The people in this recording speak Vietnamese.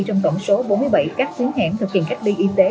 trong tổng số bốn mươi bảy các chuyến hẻm thực hiện cách ly y tế